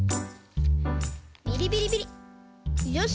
ビリビリビリよし。